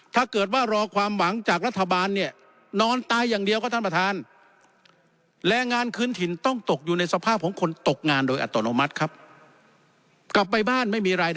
ถ้าเกิดว่ารอความหวังจากรัฐบาลนี่นอนตายอย่างเดียวก็ท่านประธาน